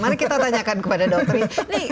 mari kita tanyakan kepada dokter ini